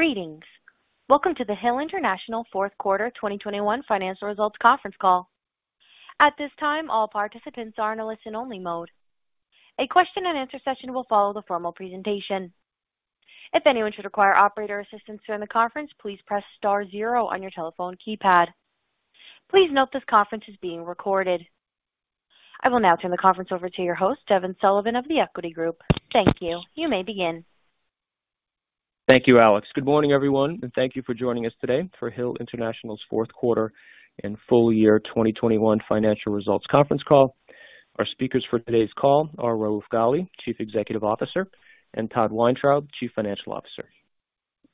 Greetings. Welcome to the Hill International fourth quarter 2021 financial results conference call. At this time, all participants are in a listen-only mode. A question-and-answer session will follow the formal presentation. If anyone should require operator assistance during the conference, please press star zero on your telephone keypad. Please note this conference is being recorded. I will now turn the conference over to your host, Devin Sullivan of The Equity Group. Thank you. You may begin. Thank you, Alex. Good morning, everyone, and thank you for joining us today for Hill International's fourth quarter and full year 2021 financial results conference call. Our speakers for today's call are Raouf Ghali, Chief Executive Officer, and Todd Weintraub, Chief Financial Officer.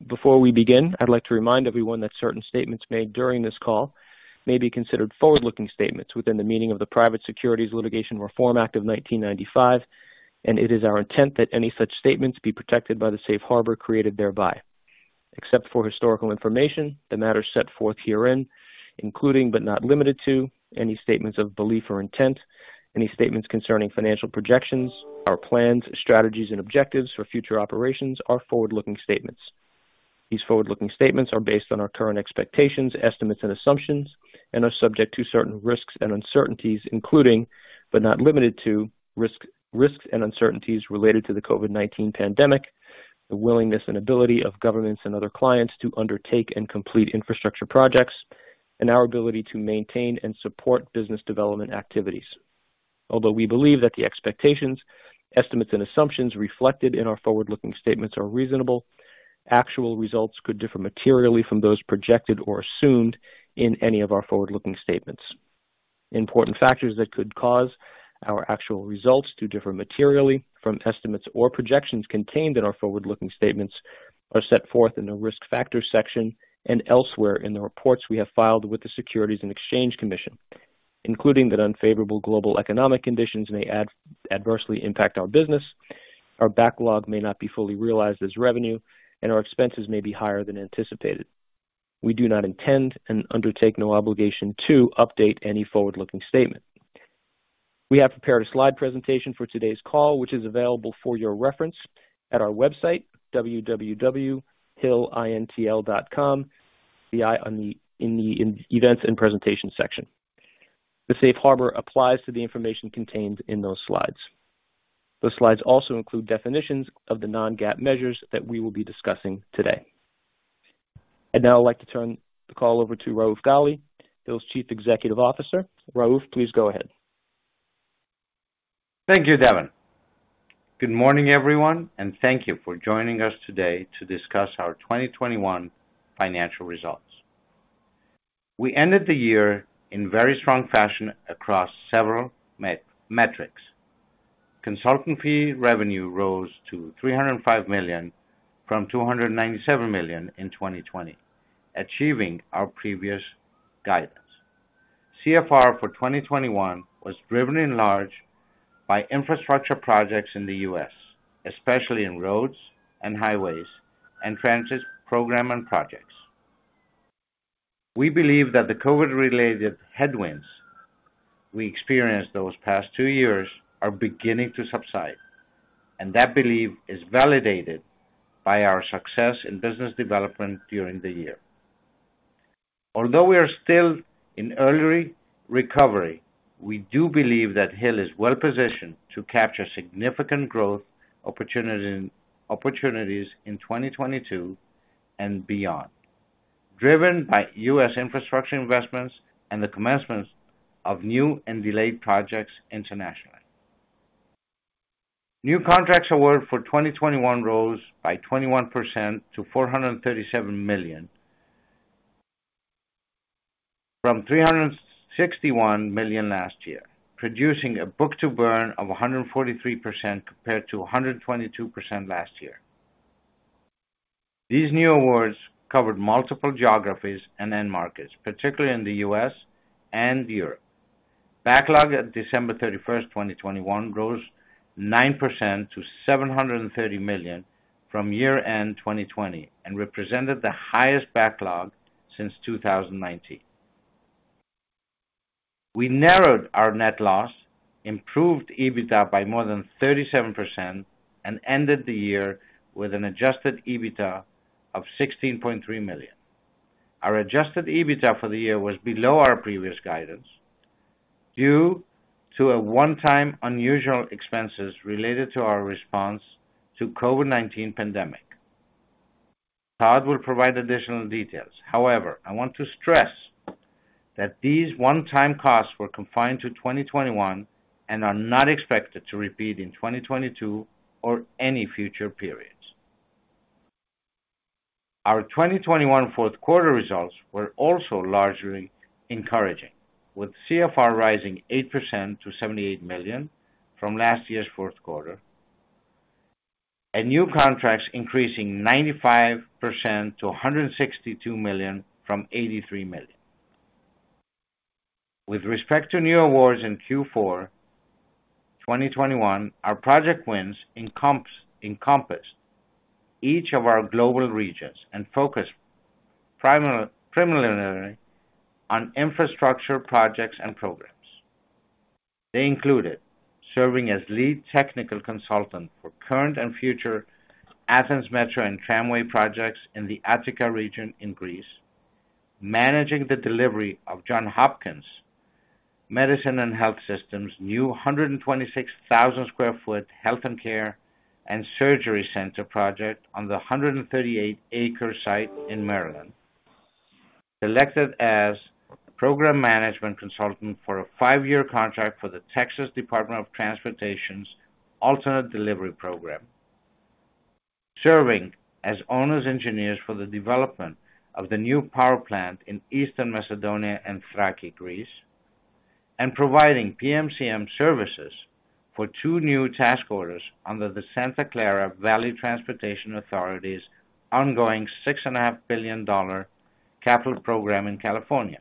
Before we begin, I'd like to remind everyone that certain statements made during this call may be considered forward-looking statements within the meaning of the Private Securities Litigation Reform Act of 1995, and it is our intent that any such statements be protected by the safe harbor created thereby. Except for historical information, the matters set forth herein, including, but not limited to, any statements of belief or intent, any statements concerning financial projections, our plans, strategies, and objectives for future operations are forward-looking statements. These forward-looking statements are based on our current expectations, estimates, and assumptions and are subject to certain risks and uncertainties, including, but not limited to, risks and uncertainties related to the COVID-19 pandemic, the willingness and ability of governments and other clients to undertake and complete infrastructure projects, and our ability to maintain and support business development activities. Although we believe that the expectations, estimates, and assumptions reflected in our forward-looking statements are reasonable, actual results could differ materially from those projected or assumed in any of our forward-looking statements. Important factors that could cause our actual results to differ materially from estimates or projections contained in our forward-looking statements are set forth in the Risk Factors section and elsewhere in the reports we have filed with the Securities and Exchange Commission, including that unfavorable global economic conditions may adversely impact our business, our backlog may not be fully realized as revenue, and our expenses may be higher than anticipated. We do not intend and undertake no obligation to update any forward-looking statement. We have prepared a slide presentation for today's call, which is available for your reference at our website, www.hillintl.com in the Events and Presentation section. The safe harbor applies to the information contained in those slides. Those slides also include definitions of the non-GAAP measures that we will be discussing today. Now I'd like to turn the call over to Raouf Ghali, Hill's Chief Executive Officer. Raouf, please go ahead. Thank you, Devin. Good morning, everyone, and thank you for joining us today to discuss our 2021 financial results. We ended the year in very strong fashion across several metrics. Consulting fee revenue rose to $305 million from $297 million in 2020, achieving our previous guidance. CFR for 2021 was driven in large part by infrastructure projects in the US, especially in roads and highways and transit programs and projects. We believe that the COVID-related headwinds we experienced those past two years are beginning to subside, and that belief is validated by our success in business development during the year. Although we are still in early recovery, we do believe that Hill is well positioned to capture significant growth opportunities in 2022 and beyond, driven by US infrastructure investments and the commencement of new and delayed projects internationally. New contracts award for 2021 rose by 21% to $437 million from $361 million last year, producing a book-to-bill of 143% compared to 122% last year. These new awards covered multiple geographies and end markets, particularly in the US and Europe. Backlog at December 31, 2021 rose 9% to $730 million from year-end 2020 and represented the highest backlog since 2019. We narrowed our net loss, improved EBITDA by more than 37%, and ended the year with an Adjusted EBITDA of $16.3 million. Our Adjusted EBITDA for the year was below our previous guidance due to a one-time unusual expenses related to our response to COVID-19 pandemic. Todd will provide additional details. However, I want to stress that these one-time costs were confined to 2021 and are not expected to repeat in 2022 or any future periods. Our 2021 fourth quarter results were also largely encouraging, with CFR rising 8% to $78 million from last year's fourth quarter, and new contracts increasing 95% to $162 million from $83 million. With respect to new awards in Q4 2021, our project wins encompassed each of our global regions and focused primarily on infrastructure projects and programs. They included serving as lead technical consultant for current and future Athens Metro and Tramway projects in the Attica region in Greece, managing the delivery of Johns Hopkins Medicine and Health System's new 126,000 sq ft healthcare and surgery center project on the 138-acre site in Maryland. Selected as program management consultant for a five-year contract for the Texas Department of Transportation's Alternative Delivery Program. Serving as owners' engineers for the development of the new power plant in Eastern Macedonia and Thrace, Greece. Providing PMCM services for two new task orders under the Santa Clara Valley Transportation Authority's ongoing $6.5 billion capital program in California.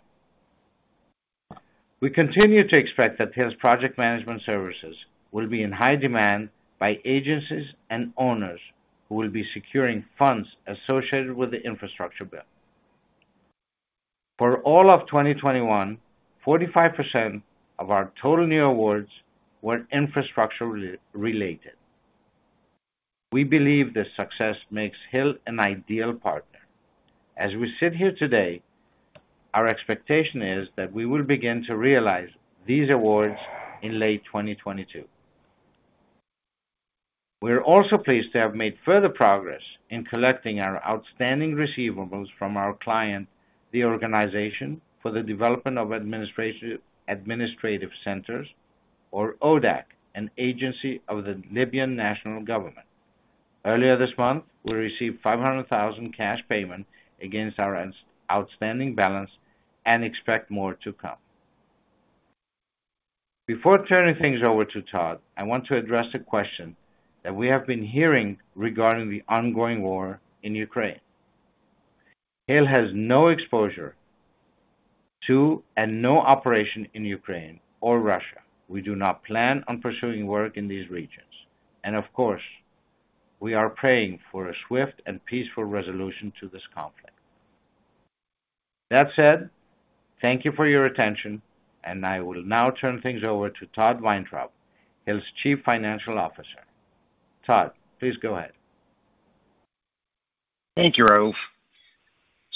We continue to expect that Hill's project management services will be in high demand by agencies and owners who will be securing funds associated with the infrastructure bill. For all of 2021, 45% of our total new awards were infrastructure-related. We believe this success makes Hill an ideal partner. As we sit here today, our expectation is that we will begin to realize these awards in late 2022. We are also pleased to have made further progress in collecting our outstanding receivables from our client, the Organization for the Development of Administrative Centers, or ODAC, an agency of the Libyan National Government. Earlier this month, we received $500,000 cash payment against our outstanding balance and expect more to come. Before turning things over to Todd, I want to address a question that we have been hearing regarding the ongoing war in Ukraine. Hill has no exposure to and no operation in Ukraine or Russia. We do not plan on pursuing work in these regions. Of course, we are praying for a swift and peaceful resolution to this conflict. That said, thank you for your attention, and I will now turn things over to Todd Weintraub, Hill's Chief Financial Officer. Todd, please go ahead. Thank you, Rouf.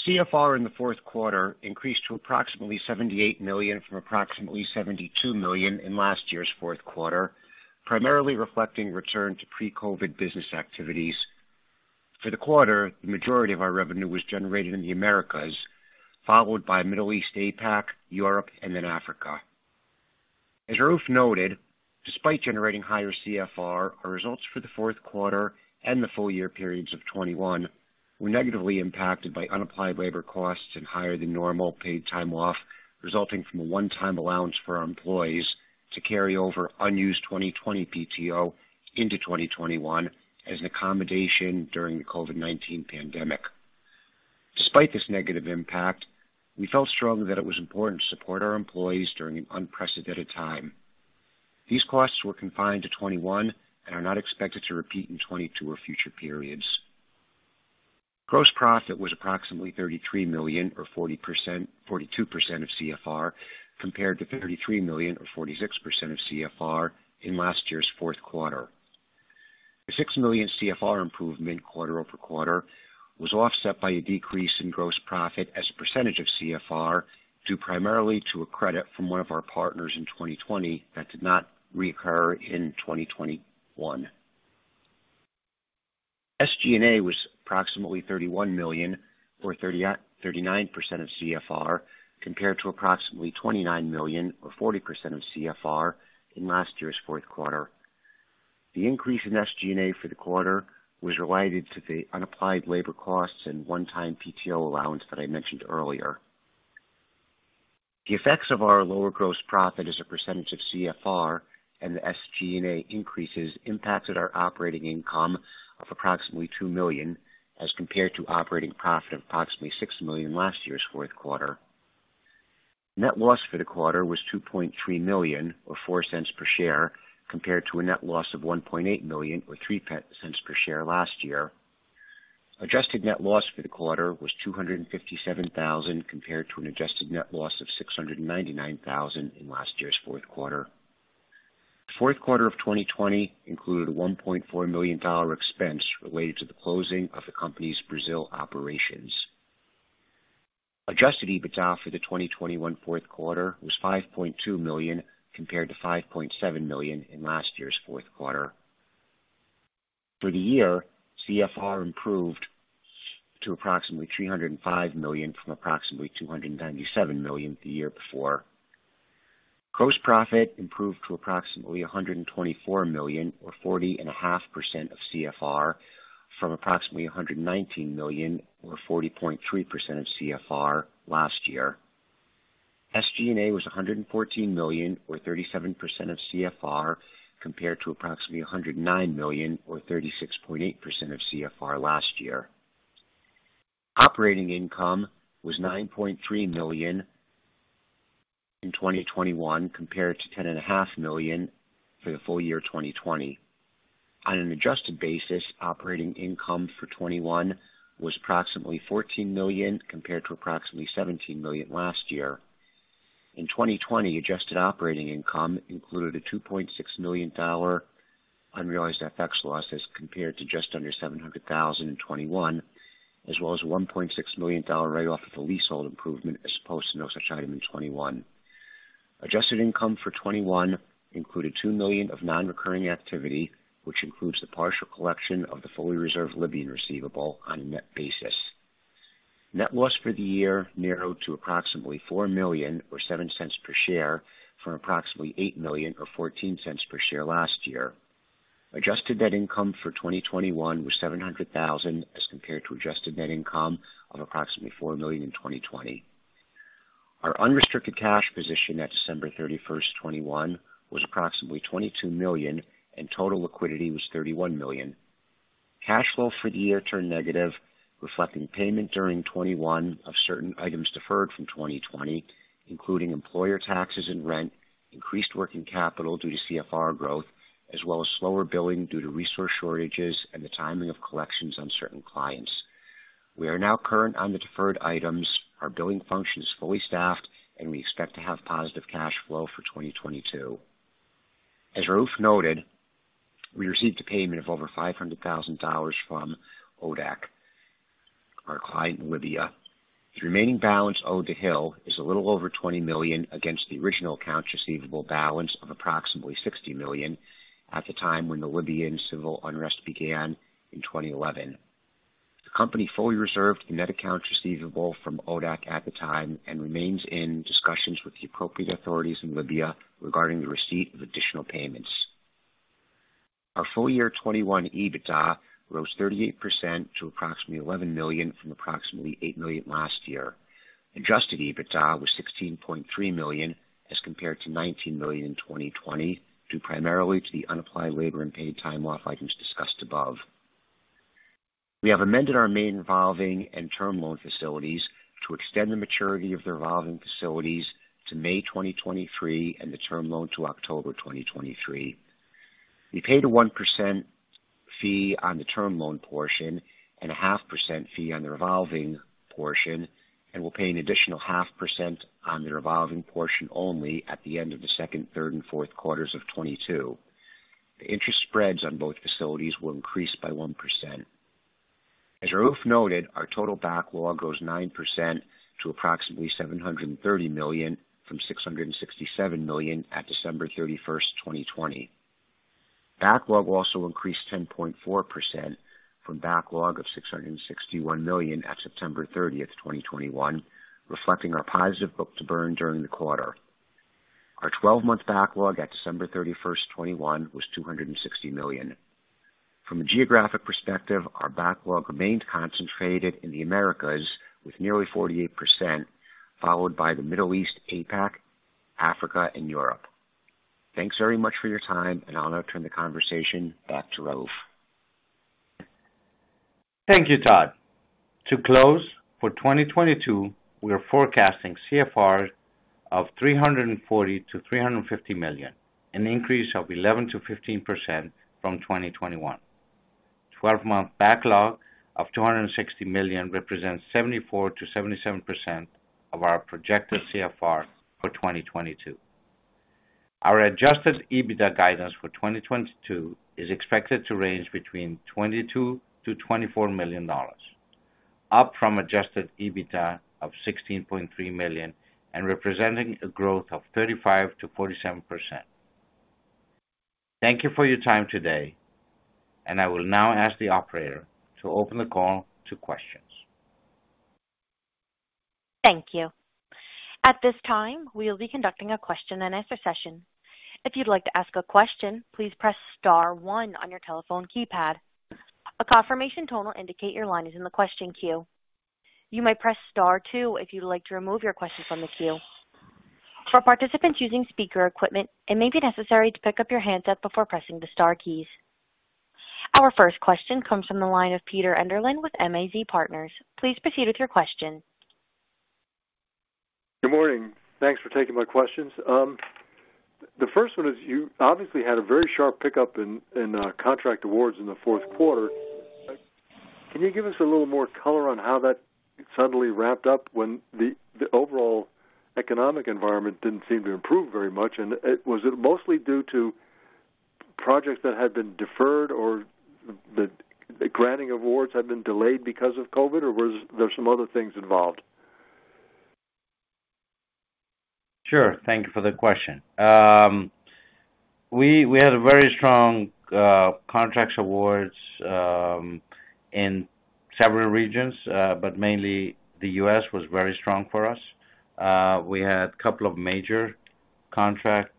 CFR in the fourth quarter increased to approximately $78 million from approximately $72 million in last year's fourth quarter, primarily reflecting return to pre-COVID business activities. For the quarter, the majority of our revenue was generated in the Americas, followed by Middle East, APAC, Europe, and then Africa. As Rouf noted, despite generating higher CFR, our results for the fourth quarter and the full-year periods of 2021 were negatively impacted by unapplied labor costs and higher than normal paid time off, resulting from a one-time allowance for our employees to carry over unused 2020 PTO into 2021 as an accommodation during the COVID-19 pandemic. Despite this negative impact, we felt strongly that it was important to support our employees during an unprecedented time. These costs were confined to 2021 and are not expected to repeat in 2022 or future periods. Gross profit was approximately $33 million or 42% of CFR, compared to $33 million or 46% of CFR in last year's fourth quarter. The $6 million CFR improvement quarter over quarter was offset by a decrease in gross profit as a percentage of CFR, due primarily to a credit from one of our partners in 2020 that did not reoccur in 2021. SG&A was approximately $31 million or 39% of CFR, compared to approximately $29 million or 40% of CFR in last year's fourth quarter. The increase in SG&A for the quarter was related to the unapplied labor costs and one-time PTO allowance that I mentioned earlier. The effects of our lower gross profit as a percentage of CFR and the SG&A increases impacted our operating income of approximately $2 million as compared to operating profit of approximately $6 million last year's fourth quarter. Net loss for the quarter was $2.3 million or $0.04 per share, compared to a net loss of $1.8 million or $0.03 per share last year. Adjusted net loss for the quarter was $257,000 compared to an adjusted net loss of $699,000 in last year's fourth quarter. The fourth quarter of 2020 included a $1.4 million expense related to the closing of the company's Brazil operations. Adjusted EBITDA for the 2021 fourth quarter was $5.2 million compared to $5.7 million in last year's fourth quarter. For the year, CFR improved to approximately $305 million from approximately $297 million the year before. Gross profit improved to approximately $124 million or 40.5% of CFR from approximately $119 million or 40.3% of CFR last year. SG&A was $114 million or 37% of CFR compared to approximately $109 million or 36.8% of CFR last year. Operating income was $9.3 million in 2021 compared to $10.5 million for the full year 2020. On an adjusted basis, operating income for 2021 was approximately $14 million compared to approximately $17 million last year. In 2020 adjusted operating income included a $2.6 million unrealized FX loss as compared to just under $700,000 in 2021, as well as $1.6 million write-off of a leasehold improvement, as opposed to no such item in 2021. Adjusted income for 2021 included $2 million of non-recurring activity, which includes the partial collection of the fully reserved Libyan receivable on a net basis. Net loss for the year narrowed to approximately $4 million or $0.07 per share from approximately $8 million or $0.14 per share last year. Adjusted net income for 2021 was $700,000 as compared to adjusted net income of approximately $4 million in 2020. Our unrestricted cash position at December 31, 2021 was approximately $22 million and total liquidity was $31 million. Cash flow for the year turned negative, reflecting payment during 2021 of certain items deferred from 2020, including employer taxes and rent, increased working capital due to CFR growth, as well as slower billing due to resource shortages and the timing of collections on certain clients. We are now current on the deferred items. Our billing function is fully staffed and we expect to have positive cash flow for 2022. As Raouf noted, we received a payment of over $500,000 from ODAC, our client in Libya. The remaining balance owed to Hill is a little over $20 million against the original accounts receivable balance of approximately $60 million at the time when the Libyan civil unrest began in 2011. The company fully reserved the net accounts receivable from ODAC at the time and remains in discussions with the appropriate authorities in Libya regarding the receipt of additional payments. Our full year 2021 EBITDA rose 38% to approximately $11 million from approximately $8 million last year. Adjusted EBITDA was $16.3 million as compared to $19 million in 2020, due primarily to the unapplied labor and paid time off items discussed above. We have amended our main revolving and term loan facilities to extend the maturity of the revolving facilities to May 2023 and the term loan to October 2023. We pay the 1% fee on the term loan portion and a 0.5% fee on the revolving portion, and we'll pay an additional 0.5% on the revolving portion only at the end of the second, third and fourth quarters of 2022. The interest spreads on both facilities will increase by 1%. As Rouf noted, our total backlog rose 9% to approximately $730 million from $667 million at December 31, 2020. Backlog also increased 10.4% from backlog of $661 million at September 30, 2021, reflecting our positive book-to-bill during the quarter. Our 12-month backlog at December 31, 2021 was $260 million. From a geographic perspective, our backlog remains concentrated in the Americas with nearly 48%, followed by the Middle East, APAC, Africa and Europe. Thanks very much for your time, and I'll now turn the conversation back to Raouf. Thank you, Todd. To close, for 2022, we are forecasting CFR of $340 million-$350 million, an increase of 11%-15% from 2021. Twelve-month backlog of $260 million represents 74%-77% of our projected CFR for 2022. Our Adjusted EBITDA guidance for 2022 is expected to range between $22 million-$24 million, up from Adjusted EBITDA of $16.3 million and representing a growth of 35%-47%. Thank you for your time today, and I will now ask the operator to open the call to questions. Thank you. At this time, we'll be conducting a question-and-answer session. If you'd like to ask a question, please press star one on your telephone keypad. A confirmation tone will indicate your line is in the question queue. You may press star two if you'd like to remove your questions from the queue. For participants using speaker equipment, it may be necessary to pick up your handset before pressing the star keys. Our first question comes from the line of Peter Enderlin with MAZ Partners. Please proceed with your question. Good morning. Thanks for taking my questions. The first one is, you obviously had a very sharp pickup in contract awards in the fourth quarter. Can you give us a little more color on how that suddenly ramped up when the overall economic environment didn't seem to improve very much? Was it mostly due to projects that had been deferred or the granting of awards had been delayed because of COVID? Or was there some other things involved? Sure. Thank you for the question. We had a very strong contract awards in several regions, but mainly the US was very strong for us. We had a couple of major contract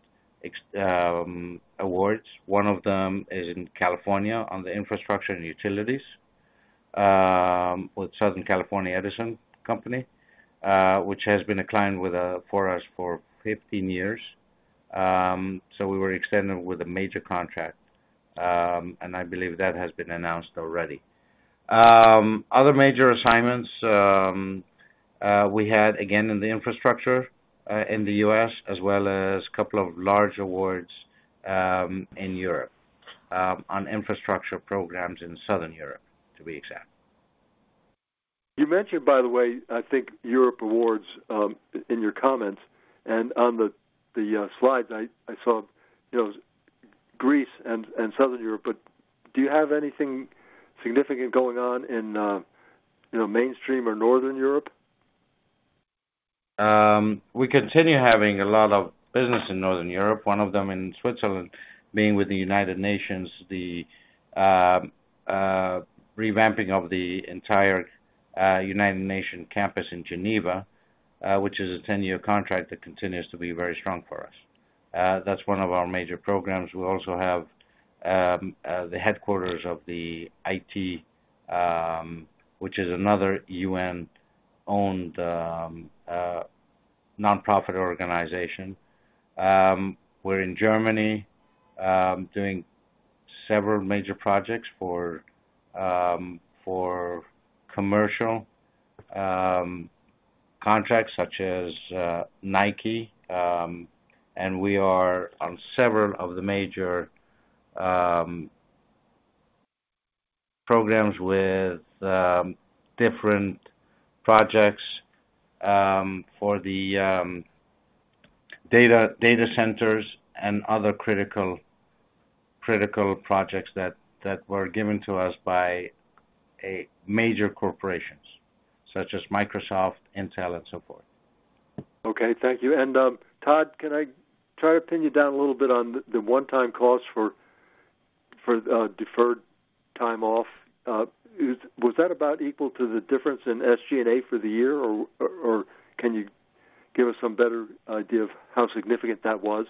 awards. One of them is in California on the infrastructure and utilities with Southern California Edison Co., which has been a client with us for 15 years. We were extended with a major contract, and I believe that has been announced already. Other major assignments we had again in the infrastructure in the US as well as a couple of large awards in Europe on infrastructure programs in Southern Europe, to be exact. You mentioned, by the way, I think Europe awards, in your comments and on the slides I saw, you know, Greece and Southern Europe, but do you have anything significant going on in, you know, mainland or Northern Europe? We continue having a lot of business in Northern Europe, one of them in Switzerland being with the United Nations, the revamping of the entire United Nations campus in Geneva, which is a 10-year contract that continues to be very strong for us. That's one of our major programs. We also have the headquarters of the ITU, which is another UN-owned nonprofit organization. We're in Germany doing several major projects for commercial contracts such as Nike. We are on several of the major programs with different projects for the data centers and other critical projects that were given to us by major corporations such as Microsoft, Intel and so forth. Okay. Thank you. Todd, can I try to pin you down a little bit on the one-time cost for deferred time off? Was that about equal to the difference in SG&A for the year or can you give us some better idea of how significant that was?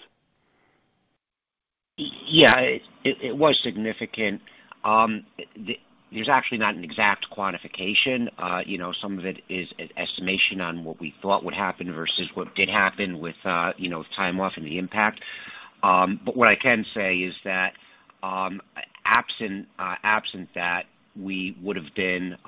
Yeah, it was significant. There's actually not an exact quantification. You know, some of it is an estimation on what we thought would happen versus what did happen with, you know, time off and the impact. What I can say is that, absent that, we would've been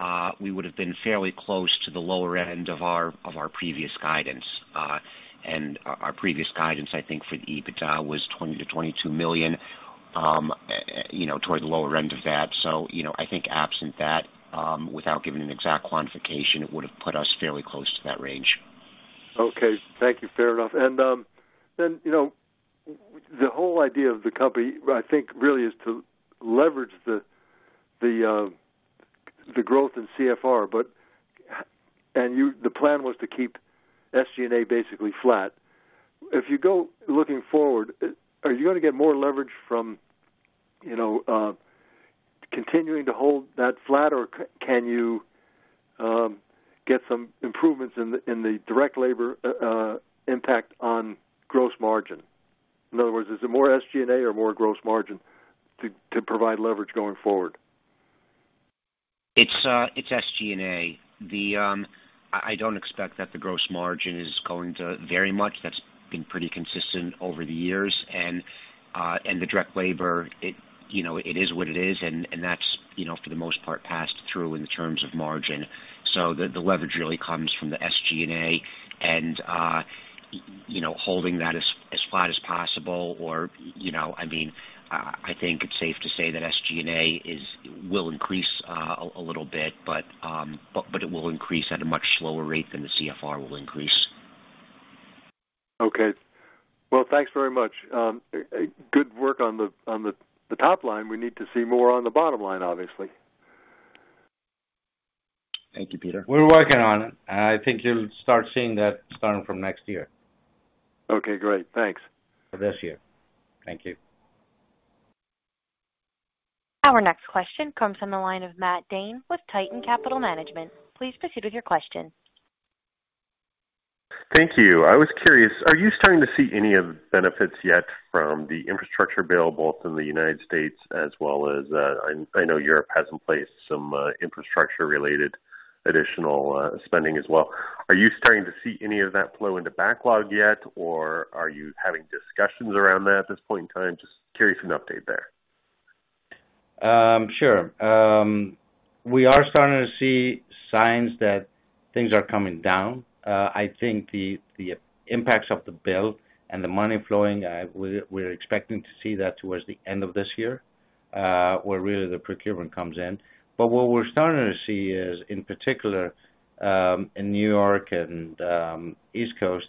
fairly close to the lower end of our previous guidance. Our previous guidance, I think, for the EBITDA was $20 million-$22 million, you know, toward the lower end of that. You know, I think absent that, without giving an exact quantification, it would've put us fairly close to that range. Okay. Thank you. Fair enough. You know, the whole idea of the company, I think, really is to leverage the growth in CFR. The plan was to keep SG&A basically flat. If you go looking forward, are you gonna get more leverage from, you know, continuing to hold that flat, or can you get some improvements in the direct labor impact on gross margin? In other words, is it more SG&A or more gross margin to provide leverage going forward? It's SG&A. I don't expect that the gross margin is going to vary much. That's been pretty consistent over the years. The direct labor, you know, it is what it is, and that's, you know, for the most part, passed through in terms of margin. The leverage really comes from the SG&A and, you know, holding that as flat as possible or, you know. I mean, I think it's safe to say that SG&A will increase a little bit, but it will increase at a much slower rate than the CFR will increase. Okay. Well, thanks very much. Good work on the top line. We need to see more on the bottom line, obviously. Thank you, Peter. We're working on it. I think you'll start seeing that starting from next year. Okay, great. Thanks. This year. Thank you. Our next question comes from the line of Matt Dane with Titan Capital Management. Please proceed with your question. Thank you. I was curious, are you starting to see any of the benefits yet from the infrastructure bill, both in the United States as well as, I know Europe has in place some infrastructure-related additional spending as well. Are you starting to see any of that flow into backlog yet, or are you having discussions around that at this point in time? Just curious for an update there. Sure. We are starting to see signs that things are coming down. I think the impacts of the bill and the money flowing, we're expecting to see that towards the end of this year, where really the procurement comes in. But what we're starting to see is, in particular, in New York and East Coast,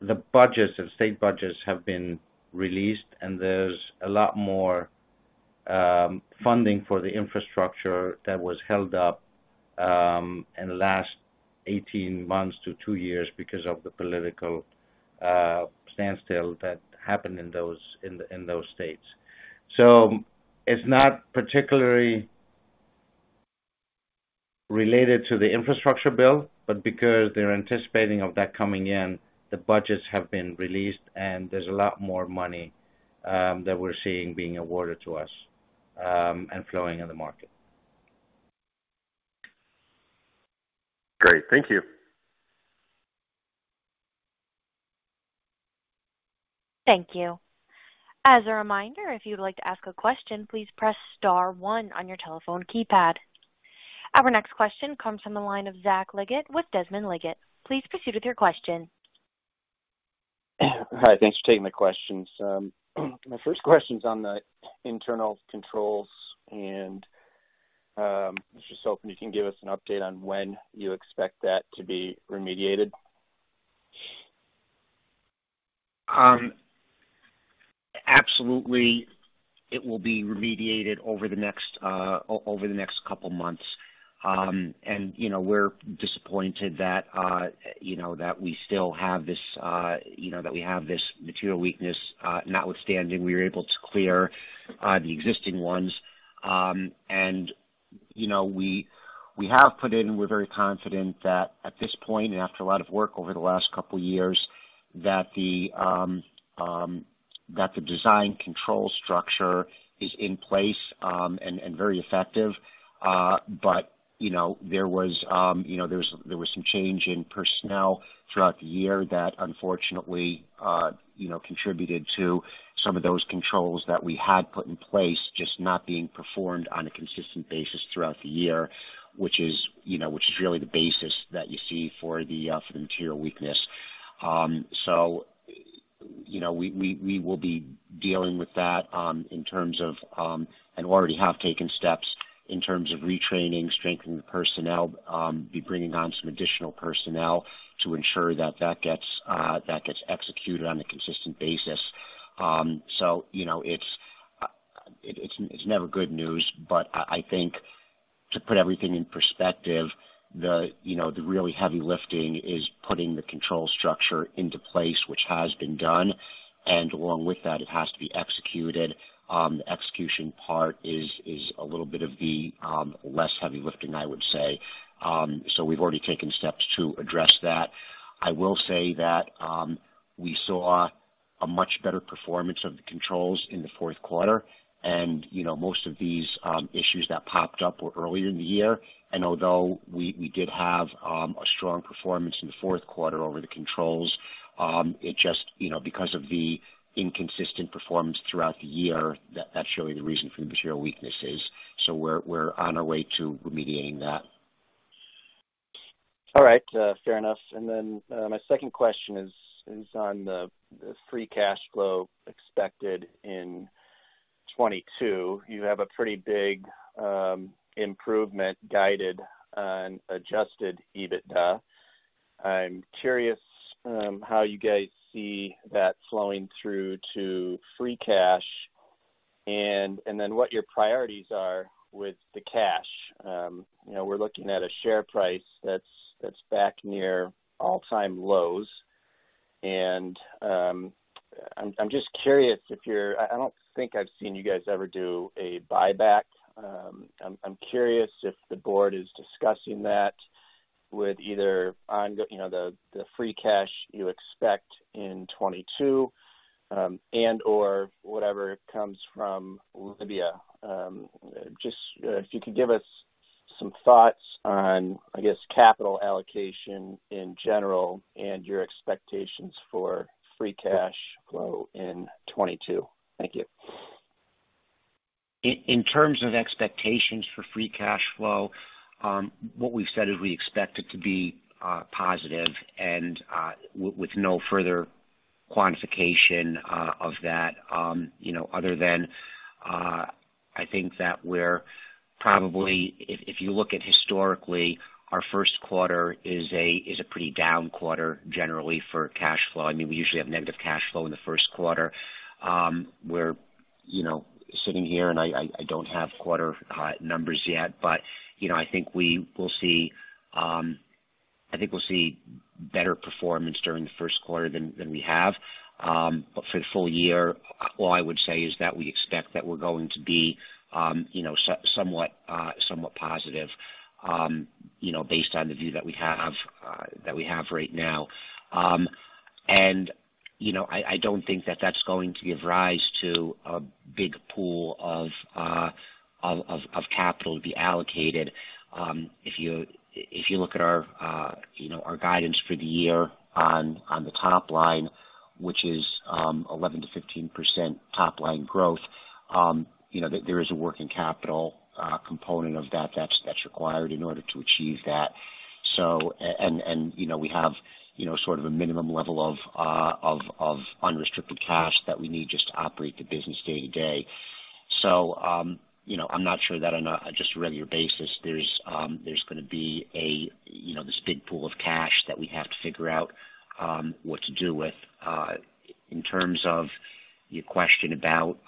the budgets, the state budgets have been released, and there's a lot more funding for the infrastructure that was held up in the last 18 months to two years because of the political standstill that happened in those states. It's not particularly related to the infrastructure bill, but because they're anticipating of that coming in, the budgets have been released, and there's a lot more money that we're seeing being awarded to us and flowing in the market. Great. Thank you. Thank you. As a reminder, if you'd like to ask a question, please press star one on your telephone keypad. Our next question comes from the line of Zach Liggett with Desmond Liggett. Please proceed with your question. Hi, thanks for taking my questions. My first question is on the internal controls, and just hoping you can give us an update on when you expect that to be remediated. Absolutely. It will be remediated over the next couple of months. You know, we're disappointed that we still have this material weakness, notwithstanding, we were able to clear the existing ones. You know, we have put in, we're very confident that at this point, and after a lot of work over the last couple years, that the design control structure is in place, and very effective. You know, there was some change in personnel throughout the year that unfortunately, you know, contributed to some of those controls that we had put in place, just not being performed on a consistent basis throughout the year, which is, you know, really the basis that you see for the material weakness. You know, we will be dealing with that in terms of, and already have taken steps in terms of retraining, strengthening the personnel, bringing on some additional personnel to ensure that that gets executed on a consistent basis. You know, it's never good news, but I think to put everything in perspective, you know, the really heavy lifting is putting the control structure into place, which has been done. Along with that, it has to be executed. The execution part is a little bit of the less heavy lifting, I would say. We've already taken steps to address that. I will say that we saw a much better performance of the controls in the fourth quarter. You know, most of these issues that popped up were earlier in the year. Although we did have a strong performance in the fourth quarter over the controls, it just, you know, because of the inconsistent performance throughout the year, that's really the reason for the material weaknesses. We're on our way to remediating that. All right. Fair enough. My second question is on the free cash flow expected in 2022. You have a pretty big improvement guidance on Adjusted EBITDA. I'm curious how you guys see that flowing through to free cash and then what your priorities are with the cash. You know, we're looking at a share price that's back near all-time lows. I'm just curious. I don't think I've seen you guys ever do a buyback. I'm curious if the board is discussing that whether on the, you know, the free cash you expect in 2022, and/or whatever comes from Libya. Just if you could give us some thoughts on, I guess, capital allocation in general and your expectations for free cash flow in 2022. Thank you. In terms of expectations for free cash flow, what we've said is we expect it to be positive and with no further quantification of that, you know, other than I think that we're probably. If you look at it historically, our first quarter is a pretty down quarter generally for cash flow. I mean, we usually have negative cash flow in the first quarter. We're you know, sitting here, and I don't have quarterly numbers yet, but you know, I think we will see. I think we'll see better performance during the first quarter than we have. For the full year, all I would say is that we expect that we're going to be, you know, somewhat positive, you know, based on the view that we have right now. You know, I don't think that that's going to give rise to a big pool of capital to be allocated. If you look at our, you know, our guidance for the year on the top line, which is 11%-15% top line growth, you know, there is a working capital component of that's required in order to achieve that. And you know, we have, you know, sort of a minimum level of unrestricted cash that we need just to operate the business day-to-day. You know, I'm not sure that on just a regular basis, there's gonna be a you know this big pool of cash that we have to figure out what to do with. In terms of your question about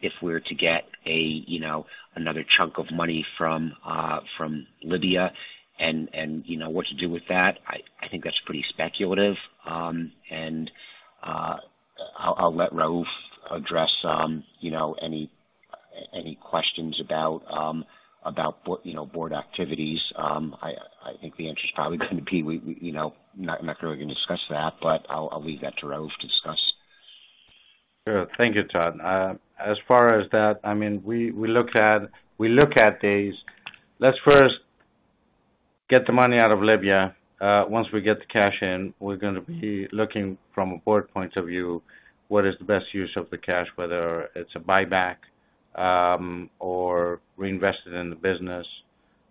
if we're to get another chunk of money from Libya and you know what to do with that, I think that's pretty speculative. I'll let Raouf address you know any questions about board activities. I think the answer is probably gonna be you know I'm not really gonna discuss that, but I'll leave that to Raouf to discuss. Sure. Thank you, Todd. As far as that, I mean, we look at these. Let's first. Get the money out of Libya. Once we get the cash in, we're gonna be looking from a board point of view, what is the best use of the cash, whether it's a buyback, or reinvest it in the business,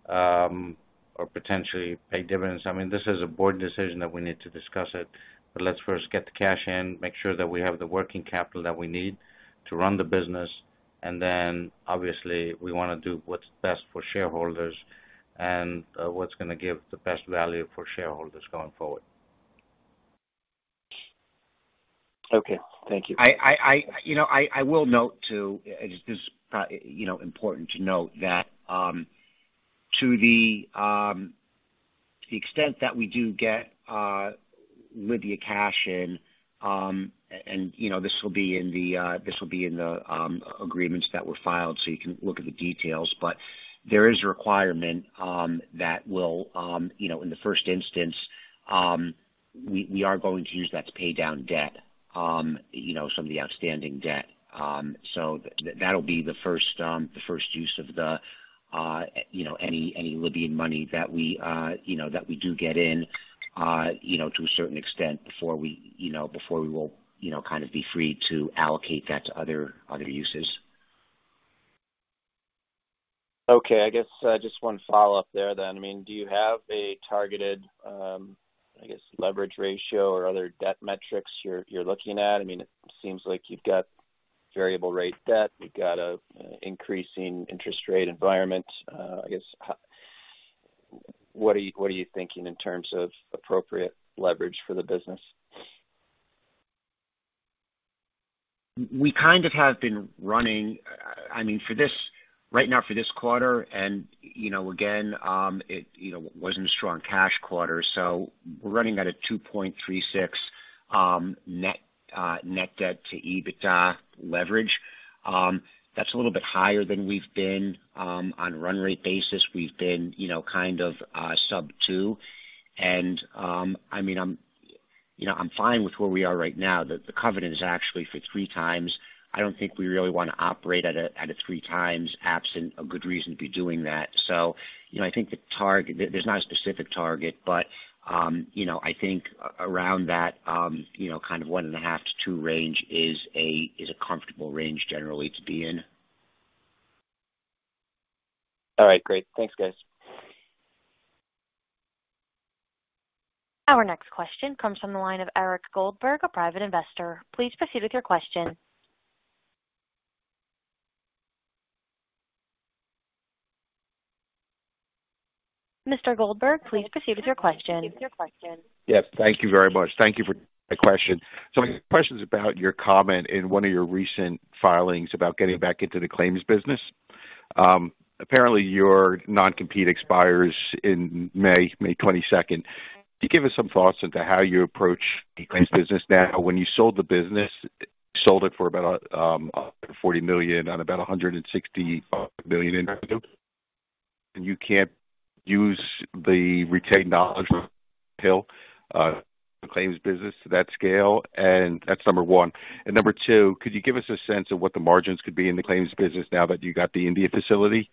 or potentially pay dividends. I mean, this is a board decision that we need to discuss it, but let's first get the cash in, make sure that we have the working capital that we need to run the business. Then, obviously, we wanna do what's best for shareholders and, what's gonna give the best value for shareholders going forward. Okay. Thank you. You know, I will note, too, this is you know, important to note that to the extent that we do get Libya cash in and you know, this will be in the agreements that were filed, so you can look at the details. There is a requirement that will you know, in the first instance, we are going to use that to pay down debt you know, some of the outstanding debt. That'll be the first use of the, you know, any Libyan money that we do get in, you know, to a certain extent before we will, you know, kind of be free to allocate that to other uses. Okay. I guess just one follow-up there then. I mean, do you have a targeted, I guess, leverage ratio or other debt metrics you're looking at? I mean, it seems like you've got variable rate debt. You've got an increasing interest rate environment. I guess, what are you thinking in terms of appropriate leverage for the business? We kind of have been running. I mean, right now for this quarter, you know, again, it you know wasn't a strong cash quarter, so we're running at a 2.36x net debt to EBITDA leverage. That's a little bit higher than we've been on a run rate basis. We've been you know kind of sub-2x. I mean, you know, I'm fine with where we are right now. The covenant is actually for 3x. I don't think we really wanna operate at a 3x absent a good reason to be doing that. You know, I think there's not a specific target, but you know, I think around that kind of 1.5-2 range is a comfortable range generally to be in. All right. Great. Thanks, guys. Our next question comes from the line of Eric Goldberg, a private investor. Please proceed with your question. Mr. Goldberg, please proceed with your question. Yes. Thank you very much. Thank you for taking my question. My question's about your comment in one of your recent filings about getting back into the claims business. Apparently, your non-compete expires in May 22. Could you give us some thoughts on how you approach the claims business now? When you sold the business, you sold it for about $40 million on about $160 million in revenue. You can't use the retained knowledge until the claims business to that scale. That's number one. Number two, could you give us a sense of what the margins could be in the claims business now that you got the India facility?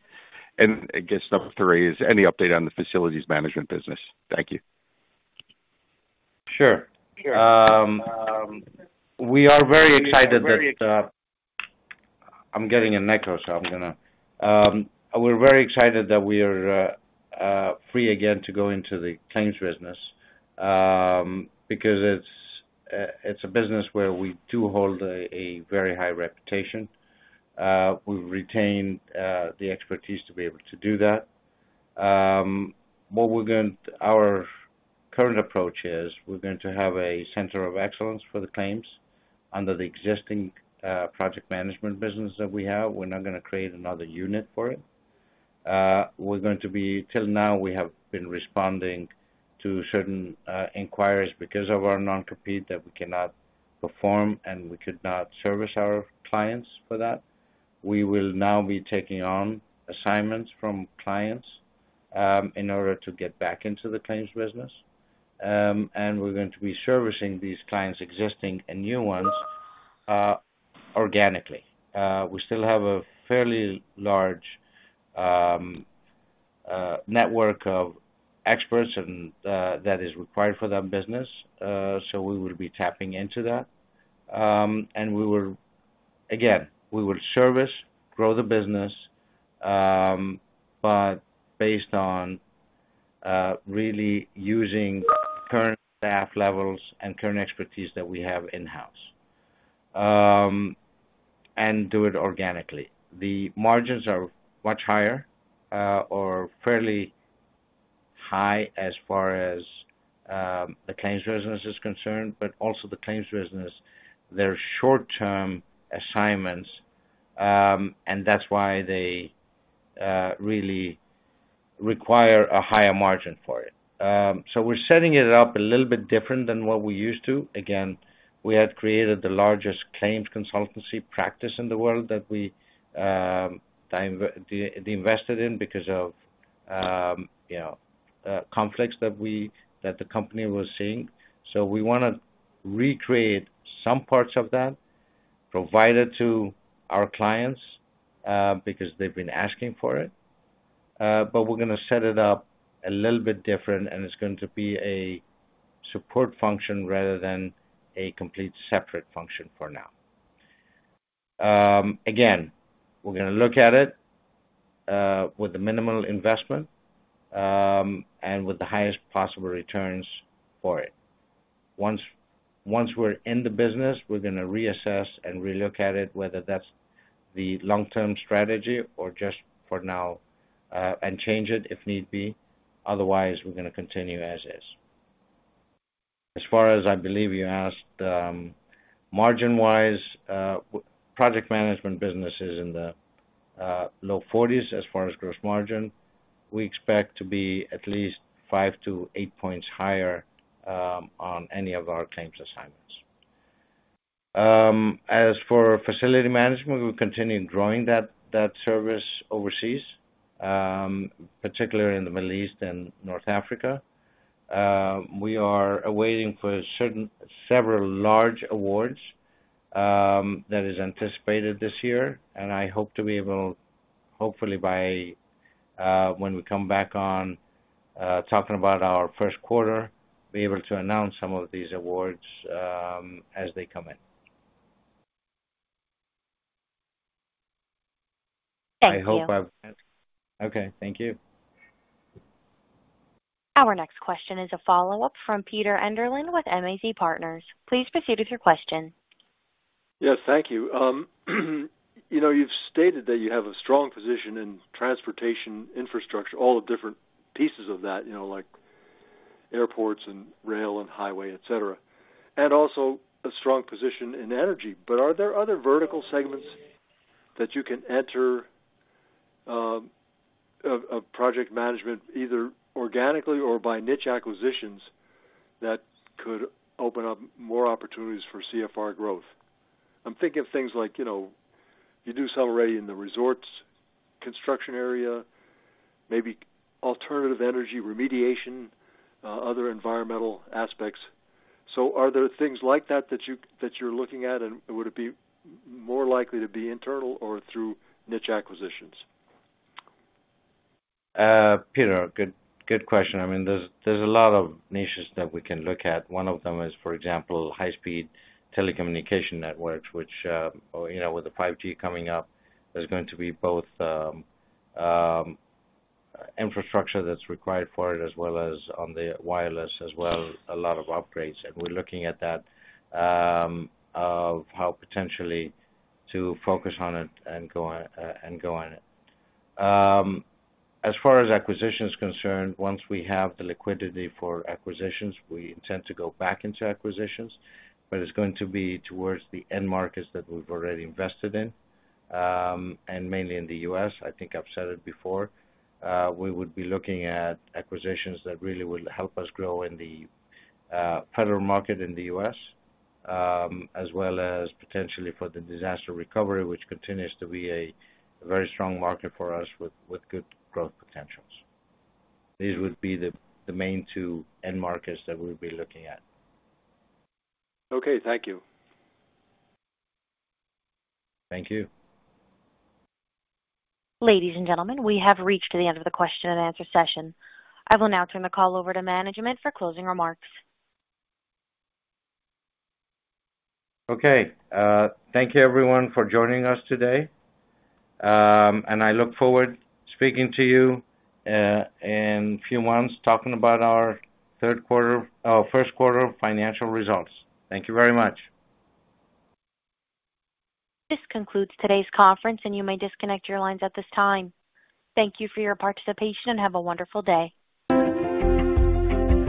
I guess number three is any update on the facilities management business. Thank you. Sure. We are very excited that we are free again to go into the claims business, because it's a business where we do hold a very high reputation. We've retained the expertise to be able to do that. Our current approach is we're going to have a center of excellence for the claims under the existing project management business that we have. We're not gonna create another unit for it. Till now, we have been responding to certain inquiries because of our non-compete that we cannot perform, and we could not service our clients for that. We will now be taking on assignments from clients in order to get back into the claims business. We're going to be servicing these clients, existing and new ones, organically. We still have a fairly large network of experts and that is required for that business, so we will be tapping into that. We will again service, grow the business, but based on really using current staff levels and current expertise that we have in-house. Do it organically. The margins are much higher, or fairly high as far as the claims business is concerned, but also the claims business, they're short-term assignments, and that's why they really require a higher margin for it. We're setting it up a little bit different than what we used to. Again, we had created the largest claims consultancy practice in the world that we divested in because of conflicts that the company was seeing. We wanna recreate some parts of that, provide it to our clients because they've been asking for it. We're gonna set it up a little bit different, and it's going to be a support function rather than a complete separate function for now. Again, we're gonna look at it with the minimal investment and with the highest possible returns for it. Once we're in the business, we're gonna reassess and relook at it, whether that's the long-term strategy or just for now, and change it if need be. Otherwise, we're gonna continue as is. As far as I believe you asked, margin-wise, project management business is in the low 40s% as far as gross margin. We expect to be at least 5-8 points higher on any of our claims assignments. As for facility management, we'll continue growing that service overseas, particularly in the Middle East and North Africa. We are awaiting certain several large awards that is anticipated this year. I hope to be able, hopefully by when we come back on talking about our first quarter, be able to announce some of these awards as they come in. Thank you. Okay, thank you. Our next question is a follow-up from Peter Enderlin with MAZ Partners. Please proceed with your question. Yes, thank you. You know, you've stated that you have a strong position in transportation infrastructure, all the different pieces of that, you know, like airports and rail and highway, et cetera, and also a strong position in energy. Are there other vertical segments that you can enter of project management, either organically or by niche acquisitions that could open up more opportunities for CFR growth? I'm thinking of things like, you know, you do some already in the resorts construction area, maybe alternative energy remediation, other environmental aspects. Are there things like that that you're looking at, and would it be more likely to be internal or through niche acquisitions? Peter, good question. I mean, there's a lot of niches that we can look at. One of them is, for example, high-speed telecommunication networks, which, you know, with the 5G coming up, there's going to be both infrastructure that's required for it, as well as on the wireless as well, a lot of upgrades. We're looking at that of how potentially to focus on it and go on it. As far as acquisition is concerned, once we have the liquidity for acquisitions, we intend to go back into acquisitions, but it's going to be towards the end markets that we've already invested in, and mainly in the US. I think I've said it before. We would be looking at acquisitions that really will help us grow in the federal market in the US, as well as potentially for the disaster recovery, which continues to be a very strong market for us with good growth potentials. These would be the main two end markets that we'll be looking at. Okay. Thank you. Thank you. Ladies and gentlemen, we have reached the end of the question and answer session. I will now turn the call over to management for closing remarks. Okay. Thank you everyone for joining us today. I look forward to speaking to you in a few months talking about our first quarter financial results. Thank you very much. This concludes today's conference, and you may disconnect your lines at this time. Thank you for your participation and have a wonderful day.